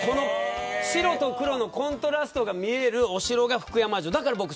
白と黒のコントラストが見えるお城が福山城。